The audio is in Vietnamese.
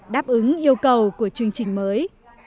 đáp ứng yêu cầu của chương trình mới